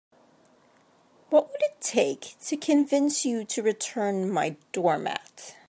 What would it take to convince you to return my doormat?